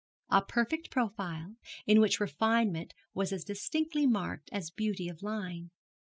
A perfect profile, in which refinement was as distinctly marked as beauty of line.